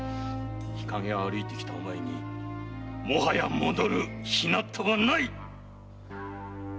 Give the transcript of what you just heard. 日陰を歩いてきたおまえにもはや戻るひなたはない！